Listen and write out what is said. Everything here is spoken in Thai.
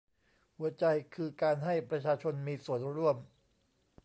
หัวใจคือการให้ประชาชนมีส่วนร่วม